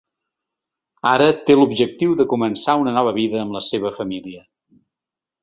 Ara té l’objectiu de començar una nova vida amb la seva família.